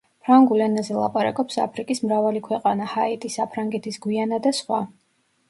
ფრანგულ ენაზე ლაპარაკობს აფრიკის მრავალი ქვეყანა, ჰაიტი, საფრანგეთის გვიანა და სხვა.